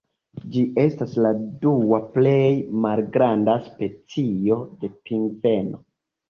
Ĝi estas la dua plej malgranda specio de pingveno.